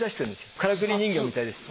からくり人形みたいです。